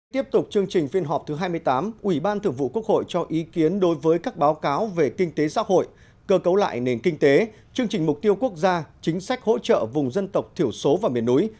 tiếp tục chương trình phiên họp thứ hai mươi tám ủy ban thượng vụ quốc hội cho ý kiến đối với các báo cáo về kinh tế xã hội cơ cấu lại nền kinh tế chương trình mục tiêu quốc gia chính sách hỗ trợ vùng dân tộc thiểu số và miền núi